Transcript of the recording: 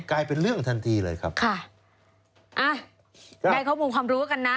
กลายเป็นเรื่องทันทีเลยครับค่ะอ่ะได้ข้อมูลความรู้กันนะ